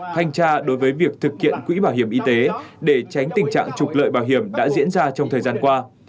thanh tra đối với việc thực hiện quỹ bảo hiểm y tế để tránh tình trạng trục lợi bảo hiểm đã diễn ra trong thời gian qua